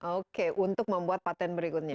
oke untuk membuat patent berikutnya